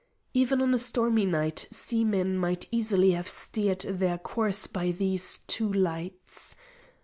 Even on a stormy night seamen might easily have steered their course by these two lights.